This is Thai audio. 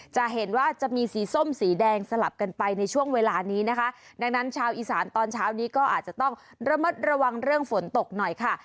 จะเห็นว่าจะมีสีส้มสีแดงสลับกันไปในช่วงเวลานี้นะคะดังนั้นชาวอีสานตอนเช้านี้ก็อาจจะต้องระมัดระวังเรื่องฝนตกหน่อยค่ะ